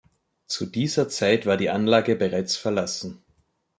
Zu dieser Zeit war die Anlage bereits verlassen.